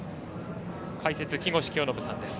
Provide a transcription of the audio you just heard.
解説、木越清信さんです。